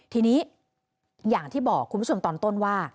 ทีนี้อย่างที่บอกคุณผู้ชมตอนต้นว่า